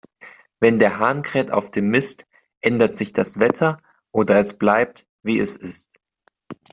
Wenn der Hahn kräht auf dem Mist, ändert sich das Wetter, oder es bleibt, wie es ist.